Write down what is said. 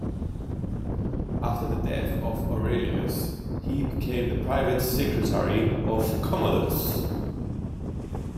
After the death of Aurelius he became the private secretary of Commodus.